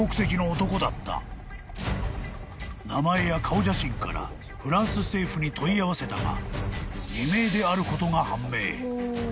［名前や顔写真からフランス政府に問い合わせたが偽名であることが判明］